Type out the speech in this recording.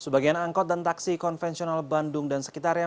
sebagian angkot dan taksi konvensional bandung dan sekitarnya